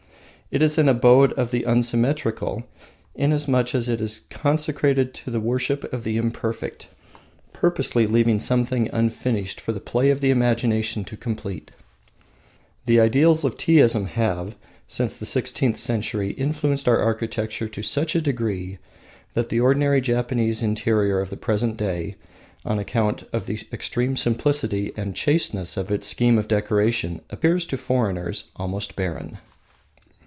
It is an Abode of the Unsymmetrical inasmuch as it is consecrated to the worship of the Imperfect, purposely leaving some thing unfinished for the play of the imagination to complete. The ideals of Teaism have since the sixteenth century influenced our architecture to such degree that the ordinary Japanese interior of the present day, on account of the extreme simplicity and chasteness of its scheme of decoration, appears to foreigners almost barren.